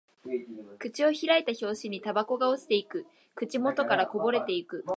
口を開いた拍子にタバコが落ちていく。口元からこぼれていく。